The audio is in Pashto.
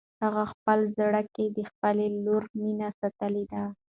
هغه په خپل زړه کې د خپلې لور مینه ساتلې ده.